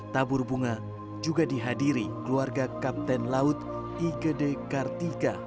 tabur bunga juga dihadiri keluarga kapten laut igd kartika